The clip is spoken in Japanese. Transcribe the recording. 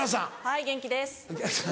はい元気です。